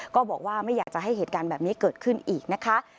ก็บอกว่าไม่อยากจะให้เหตุการณ์แบบนี้เกิดขึ้นอีกนะคะ